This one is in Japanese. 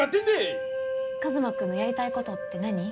カズマ君のやりたいことって何？